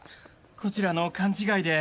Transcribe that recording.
こちらの勘違いで。